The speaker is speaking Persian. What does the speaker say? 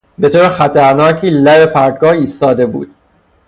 به طور خطرناکی لب پرتگاه ایستاده بود.